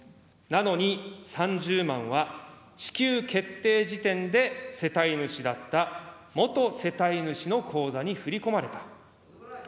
なのに３０万は、支給決定時点で世帯主だった元世帯主の口座に振り込まれた。